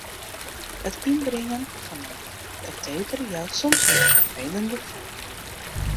It ynbringen fan it kateter jout soms in ferfelend gefoel.